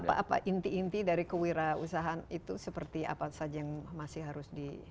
apa inti inti dari kewirausahaan itu seperti apa saja yang masih harus di